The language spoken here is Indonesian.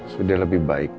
sudah lebih baik